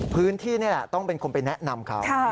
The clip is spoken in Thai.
พื้นที่นี่แหละต้องเป็นคนไปแนะนำเขา